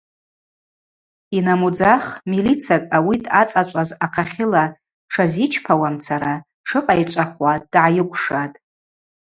Йнамудзах милицакӏ ауи дъацӏачӏваз ахъахьыла тшазичпауамцара тшыкъайчӏвахуа дгӏайыкӏвшатӏ.